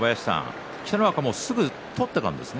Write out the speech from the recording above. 北の若はすぐ取っていったんですね。